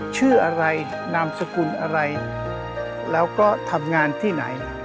ชื่ออะไรนามสกุลอะไรแล้วก็ทำงานที่ไหน